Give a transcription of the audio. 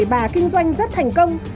bởi bà kinh doanh rất thành công